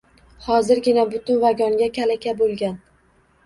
Hozirgina butun vagonga kalaka bo’lgan.